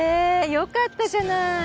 よかったじゃない。